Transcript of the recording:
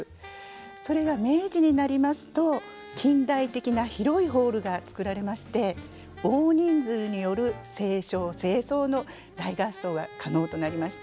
それが明治になりますと近代的な広いホールが造られまして大人数による斉唱斉奏の大合奏が可能となりました。